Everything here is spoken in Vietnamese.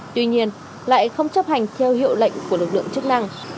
tuy nhiên lại không chấp hành theo hiệu lệnh của lực lượng chức năng